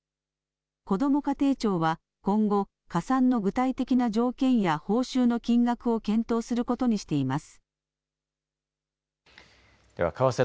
こども家庭庁は今後、加算の具体的な条件や報酬の金額を検討することにしています。